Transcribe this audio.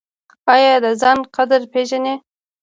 ایا د ځان قدر پیژنئ؟